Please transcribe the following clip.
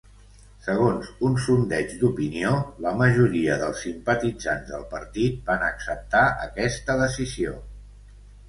Segons un sondeig d'opinió, la majoria dels simpatitzants del partit van acceptar aquesta decisió.